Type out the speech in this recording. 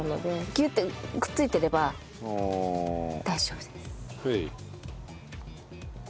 ギュッてくっついていれば大丈夫です。